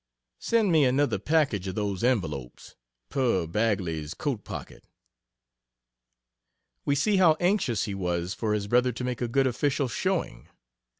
Send me another package of those envelopes, per Bagley's coat pocket. We see how anxious he was for his brother to make a good official showing.